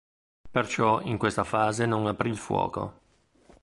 Perciò, in questa fase, non aprì il fuoco.